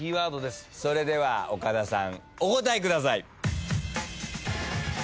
それでは岡田さんお答えください。